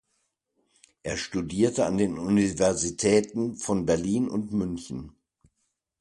Er studierte an den Universitäten von Berlin und München.